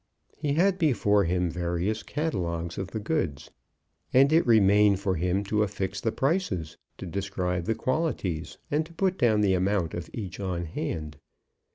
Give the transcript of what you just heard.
He had before him various catalogues of the goods, and it remained for him to affix the prices, to describe the qualities, and to put down the amount of each on hand.